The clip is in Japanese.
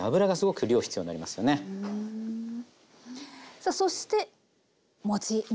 さあそして餅ね